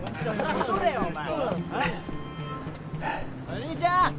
おい兄ちゃん！